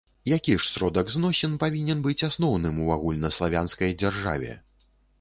Які ж сродак зносін павінен быць асноўным у агульнаславянскай дзяржаве?